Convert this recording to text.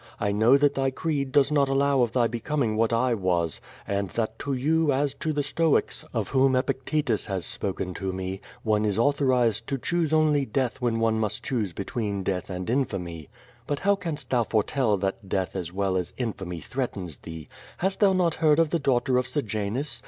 I know that thy creed does not allow of thy becoming what I was, and that to you as to the Stoics, of whom Epictetus has spoken to me, one is authorized to choose only death when one must choose between death and infamy. But how canst thou foretell that death as well as infamy threatens thee? Hast thou not heard of the daughter of Sejanus.